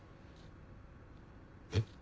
えっ？